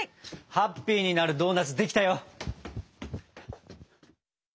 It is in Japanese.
ハッピーになるドーナツできたよ！